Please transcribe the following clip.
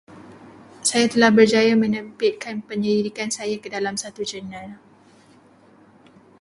Saya telah berjaya [unintelligible] penyelidikan saya ke dalam satu jurnal.